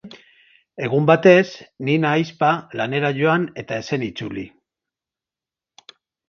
Egun batez, Nina ahizpa lanera joan eta ez zen itzuli.